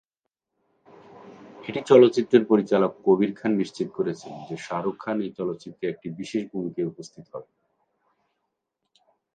এই চলচ্চিত্রের পরিচালক কবির খান নিশ্চিত করেছেন যে শাহরুখ খান এই চলচ্চিত্রে একটি বিশেষ ভূমিকায় উপস্থিত হবেন।